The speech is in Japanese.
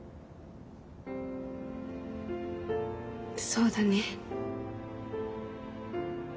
そうだね。